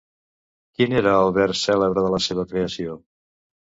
Quin era el vers cèlebre de la seva creació?